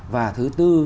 và thứ tư